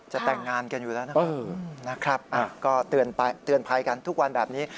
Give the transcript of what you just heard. จะแต่งงานกันอยู่แล้วนะครับก็เตือนภัยกันทุกวันแบบนี้